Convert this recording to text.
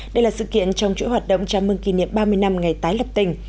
đây là sự kiện trong chuỗi hoạt động chăm mưng kỷ niệm ba mươi năm ngày tái lập tỉnh